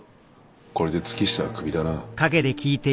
これで月下はクビだな。